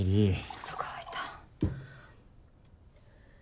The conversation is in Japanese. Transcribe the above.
喉乾いた。